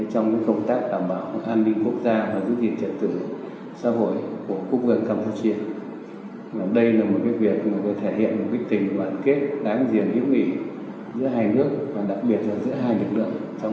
trong công tác đảm bảo